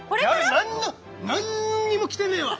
何も何にも着てねえわ！